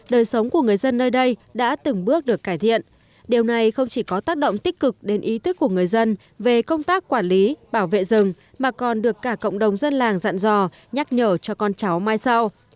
đời sống của người dân nơi đây đã từng bước được cải thiện điều này không chỉ có tác động tích cực đến ý thức của người dân về công tác quản lý bảo vệ rừng mà còn được cả cộng đồng dân làng dặn dò nhắc nhở cho con cháu mai sau